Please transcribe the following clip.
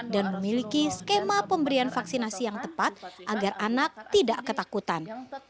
dan memiliki skema pemberian vaksinasi yang tepat agar anak tidak ketakutan